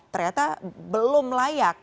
ternyata belum layak